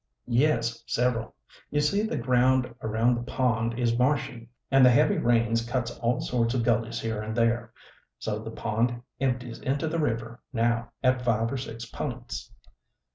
"Yes, several. You see the ground around the pond is marshy, and the heavy rains cut all sorts of gullies here and there, so the pond empties into the river, now, at five or six p'ints."